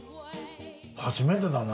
初めてだな。